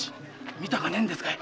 見たかねえんですかい？